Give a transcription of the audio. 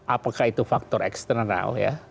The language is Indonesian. apakah itu faktor eksternal ya